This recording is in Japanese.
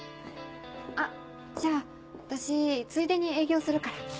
あっじゃあ私ついでに営業するから。